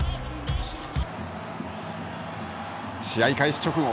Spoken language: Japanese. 試合開始直後